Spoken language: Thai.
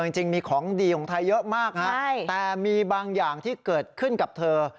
จริงมีของดีของไทยเยอะมากแต่มีบางอย่างที่เกิดขึ้นกับเธอ